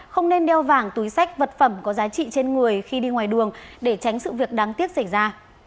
không nên đeo vàng túi sách vật phẩm có giá trị trên người khi đi ngoài đường để tránh sự việc đáng tiếc xảy ra